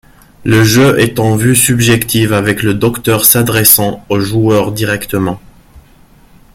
Le jeu est en vue subjective avec le Docteur s'adressant au joueur directement.